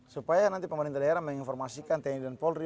supaya nanti pemerintah daerah menginformasikan tni dan polri